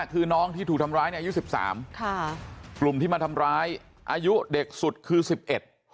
คือน้องที่ถูกทำร้ายอายุ๑๓ปลุ่มที่มาทำร้ายอายุเด็กสุดคือ๑๑